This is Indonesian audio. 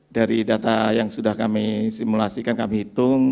dari data yang sudah kami simulasikan kami hitung